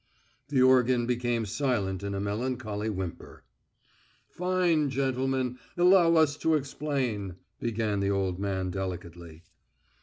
The organ became silent in a melancholy whimper. "Fine gentleman, allow us to explain," began the old man delicately.